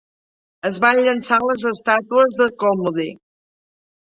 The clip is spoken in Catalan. Es van llençar les estàtues de Còmmode.